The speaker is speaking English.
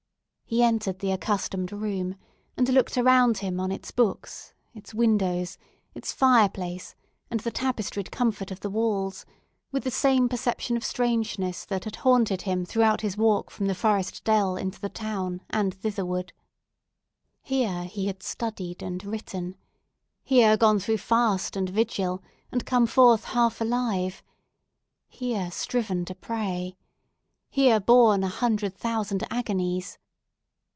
He entered the accustomed room, and looked around him on its books, its windows, its fireplace, and the tapestried comfort of the walls, with the same perception of strangeness that had haunted him throughout his walk from the forest dell into the town and thitherward. Here he had studied and written; here gone through fast and vigil, and come forth half alive; here striven to pray; here borne a hundred thousand agonies!